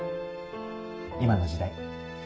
今の時代。